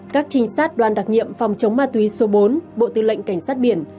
các trinh sát đoàn đặc nhiệm phòng chống ma túy số bốn bộ tư lệnh cảnh sát biển